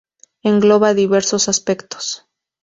Engloba diversos aspectos.